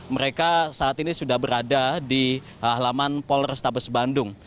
mereka saat ini sudah berada di halaman polrestabes bandung